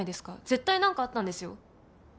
絶対何かあったんですよ。